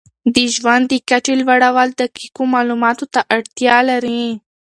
د ژوند د کچې لوړول دقیقو معلوماتو ته اړتیا لري.